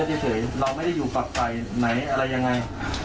คนสนใจเยอะเยอะเฉยเราไม่ได้อยู่ฝักใจไหนอะไรยังไง